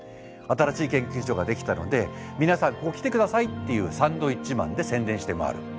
新しい研究所ができたので皆さん来て下さいっていうサンドイッチマンで宣伝して回る。